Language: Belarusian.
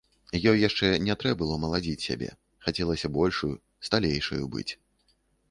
Ёй яшчэ не трэ было маладзіць сябе, хацелася большаю, сталейшаю быць.